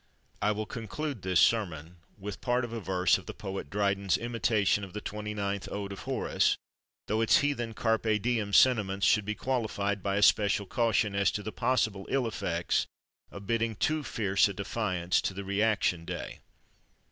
I will conclude this sermon with part of a verse of the poet Dryden's imitation of the twenty ninth Ode of Horace, though its heathen carpe diem sentiments should be qualified by a special caution as to the possible ill effects of bidding too fierce a defiance to the "reaction day."